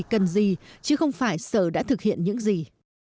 cần gì chứ không phải sở đã thực hiện những gì